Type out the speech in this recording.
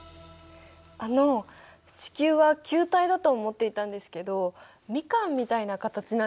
あの地球は球体だと思っていたんですけどミカンみたいな形なんですか？